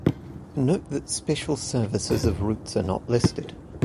Note that special services of routes are not listed.